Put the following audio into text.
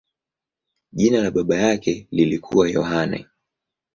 Jina la baba yake lilikuwa Yohane.